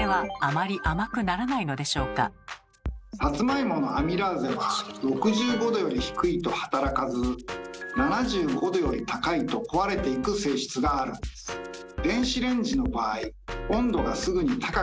サツマイモのアミラーゼは６５℃より低いと働かず７５℃より高いと壊れていく性質があるんです。と考えられます。